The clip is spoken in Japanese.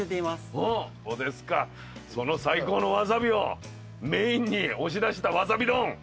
その最高のわさびをメインに押し出したわさび丼。